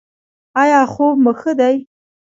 ایا خوب مو ښه دی؟